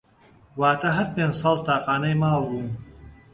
واتا هەر پێنج ساڵ تاقانەی ماڵ بووم